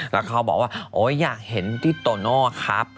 แล้วเขาบอกว่าอยากเห็นที่ตัวนอกครับ